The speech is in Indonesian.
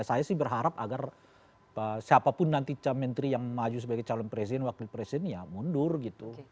saya sih berharap agar siapapun nanti menteri yang maju sebagai calon presiden wakil presiden ya mundur gitu